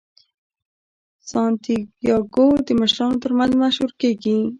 سانتیاګو د مشرانو ترمنځ مشهور کیږي.